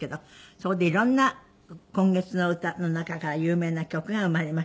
そこで色んな「今月のうた」の中から有名な曲が生まれました。